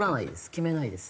決めないです。